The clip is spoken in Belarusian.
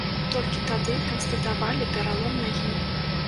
Толькі тады канстатавалі пералом нагі.